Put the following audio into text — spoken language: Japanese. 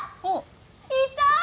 いた！